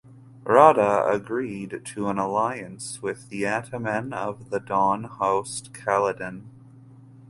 Rada agreed to an alliance with the ataman of the Don Host Kaledin.